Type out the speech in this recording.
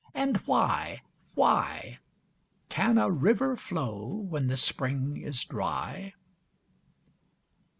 And why? Why? Can a river flow when the spring is dry?